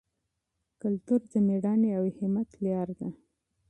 کلتور د مېړانې او صمیمیت لاره ده.